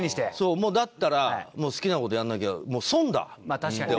もうだったら好きな事やらなきゃ損だ！って思って。